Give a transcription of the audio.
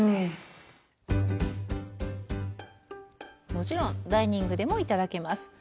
もちろんダイニングでもいただけます。